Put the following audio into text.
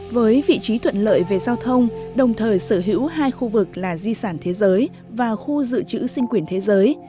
với vị trí thuận lợi về giao thông đồng thời sở hữu hai khu vực là di sản thế giới và khu dự trữ sinh quyển thế giới